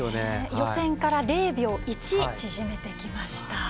予選から０秒１縮めてきました。